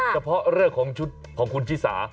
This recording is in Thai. เฉพาะเรื่องของชุดของคุณชิสา